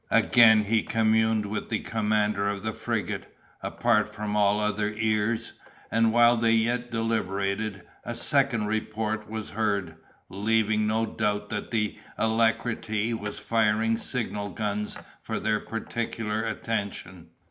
Again he communed with the commander of the frigate, apart from all other ears; and while they yet deliberated, a second report was heard, leaving no doubt that the Alacrity was firing signal guns for their particular attention.